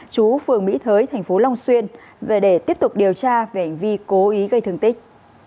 chú phường mỹ thới tp long xuyên về để tiếp tục điều tra về hành vi cố ý gây thương tích